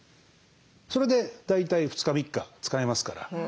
それで大体２日３日使えますから。